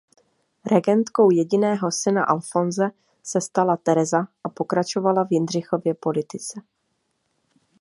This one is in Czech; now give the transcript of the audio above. Regentkou jediného syna Alfonse se stala Tereza a pokračovala v Jindřichově politice.